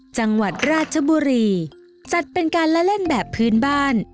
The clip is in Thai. จังหวัดราชบุรีจัดเป็นการละเล่นแบบพื้นบ้าน